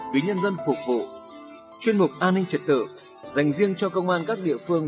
truyền bộ chuyên mục an ninh trật tự dành riêng cho công an các địa phương